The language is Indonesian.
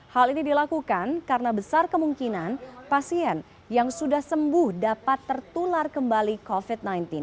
hal ini dilakukan karena besar kemungkinan pasien yang sudah sembuh dapat tertular kembali covid sembilan belas